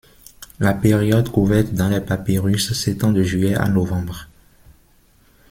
La période couverte dans les papyrus s'étend de juillet à novembre.